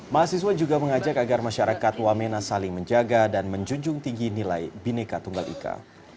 mahasiswa juga mengajak agar masyarakat wamena saling menjaga dan menjunjung tinggi nilai bineka tunggal ika